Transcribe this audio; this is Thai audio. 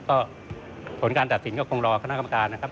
ก็ผลการตัดสินก็คงรอคณะกรรมการนะครับ